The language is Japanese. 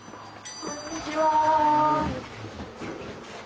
こんにちは。